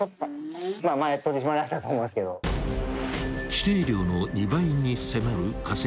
［規定量の２倍に迫る過積載］